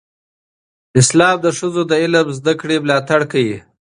اسلام د ښځو د علم زده کړې ملاتړ کوي.